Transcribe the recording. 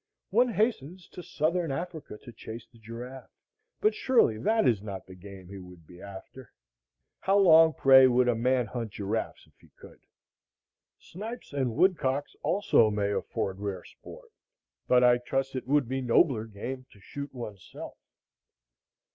One hastens to Southern Africa to chase the giraffe; but surely that is not the game he would be after. How long, pray, would a man hunt giraffes if he could? Snipes and woodcocks also may afford rare sport; but I trust it would be nobler game to shoot one's self.